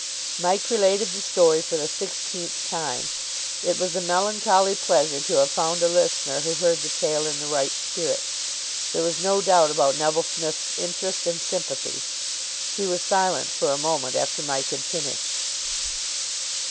Mike related the story for the sixteenth time. It was a melancholy pleasure to have found a listener who heard the tale in the right spirit. There was no doubt about Neville Smith's interest and sympathy. He was silent for a moment after Mike had finished.